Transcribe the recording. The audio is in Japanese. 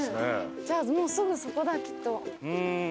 じゃあもうすぐそこだきっと。